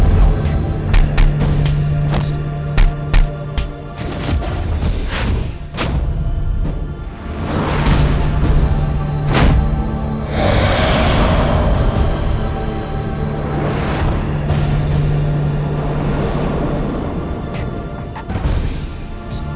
kau akan tetap mati